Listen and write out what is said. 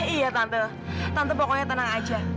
iya tante tante pokoknya tenang aja